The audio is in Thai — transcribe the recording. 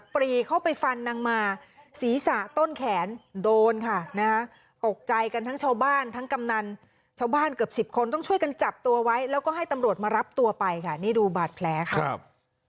ปรีเข้าไปฟันนางมาศีรษะต้นแขนโดนค่ะนะฮะตกใจกันทั้งชาวบ้านทั้งกำนันชาวบ้านเกือบสิบคนต้องช่วยกันจับตัวไว้แล้วก็ให้ตำรวจมารับตัวไปค่ะนี่ดูบาดแผลค่ะครับ